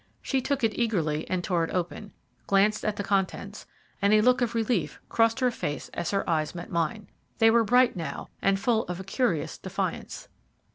She took it eagerly and tore it open, glanced at the contents, and a look of relief crossed her face as her eyes met mine. They were bright now and full of a curious defiance.